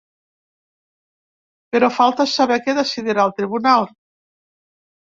Però falta saber què decidirà el tribunal.